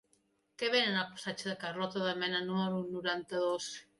Què venen al passatge de Carlota de Mena número noranta-dos?